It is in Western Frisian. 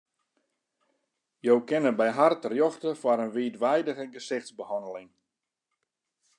Jo kinne by har terjochte foar in wiidweidige gesichtsbehanneling.